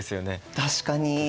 確かに。